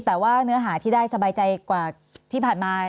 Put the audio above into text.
แต่ว่าเนื้อหาที่ได้สบายใจกว่าที่ผ่านมา